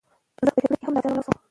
ځکه په جرګه کې هم دا فيصله وشوه